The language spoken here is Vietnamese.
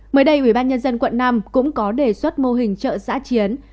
mới đây ubnd quận năm cũng có đề xuất mô hình chợ giã chiến